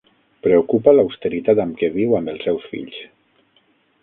Preocupa l'austeritat amb què viu amb els seus fills.